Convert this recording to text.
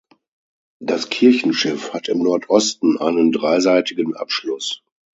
Das Kirchenschiff hat im Nordosten einen dreiseitigen Abschluss.